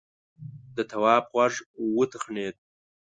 د تواب غوږ وتخڼيد: